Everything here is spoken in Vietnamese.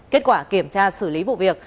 kết quả kiểm tra xử lý vụ việc